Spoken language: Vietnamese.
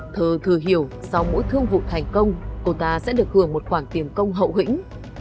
thơ thừa hiểu sau mỗi thương vụ thành công cô ta sẽ được hưởng một khoản tiền công hậu hĩnh